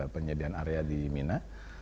penyediaan area di mina